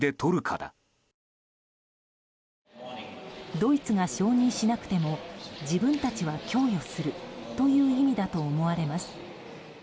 ドイツが承認しなくても自分たちは供与するという意味だと思われます。